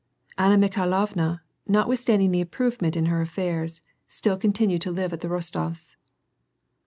Anna Mikhailovna, notwithstanding the improvement in her affairs, still continued to live at the Rostofs.